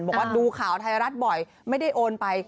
บอกว่าดูข่าวไทยรัฐบ่อยไม่ได้โอนไป